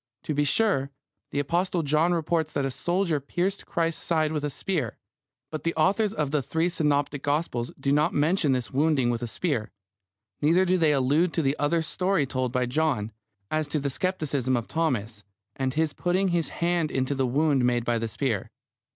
To be sure, the Apostle John reports that a soldier pierced Christ's side with a spear. But the authors of the three synoptic Gospels do not mention this wounding with the spear. Neither do they allude to the other story told by John, as to the scepticism of Thomas, and his putting his hand into the wound made by the spear.